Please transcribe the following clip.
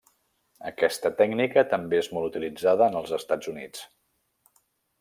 Aquesta tècnica també és molt utilitzada en els Estats Units.